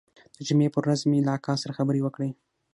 د جمعې پر ورځ مې له اکا سره خبرې وکړې.